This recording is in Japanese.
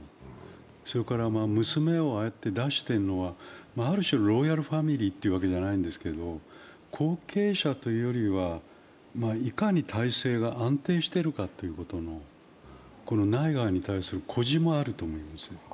それから娘をああやって出してるのは、ある種、ロイヤルファミリーというわけではないんですが後継者というよりはいかに体制が安定しているかということの内外に対する誇示もあると思いますよ。